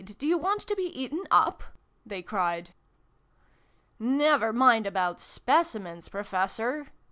Do you want to be eaten up ?" they cried. " Never mind about Specimens, Professor !